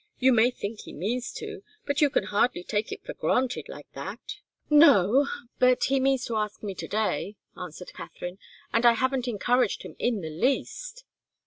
You may think he means to, but you can hardly take it for granted like that." "No, but he means to ask me to day," answered Katharine. "And I haven't encouraged him in the least."